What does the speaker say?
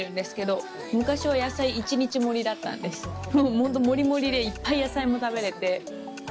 ホントもりもりでいっぱい野菜も食べれて。